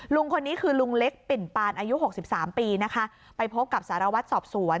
ลุงคนนี้คือลุงเล็กปิ่นปานอายุหกสิบสามปีนะคะไปพบกับสารวัตรสอบสวน